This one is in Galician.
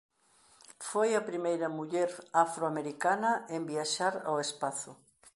Foi a primeira muller afroamericana en viaxar ao espazo.